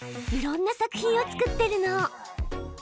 いろんな作品を作ってるの！